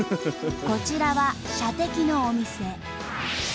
こちらは射的のお店。